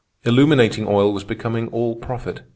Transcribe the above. Illuminating oil was becoming all profit.